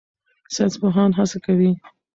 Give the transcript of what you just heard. ساینسپوهان هڅه کوي.